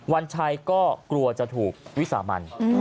วันชัยก็กลัวจะถูกวิสามัน